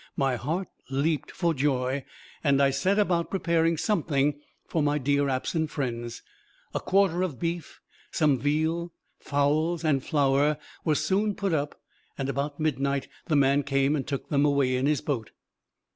My heart leaped for joy, and I set about preparing something for my dear absent friends. A quarter of beef, some veal, fowls, and flour, were soon put up, and about midnight the man came and took them away in his boat."